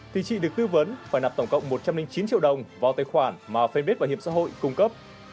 thì chị được tư vấn phải nạp tổng cộng một trăm linh chín triệu đồng vào tài khoản mà fanpage bảo hiểm xã hội cung cấp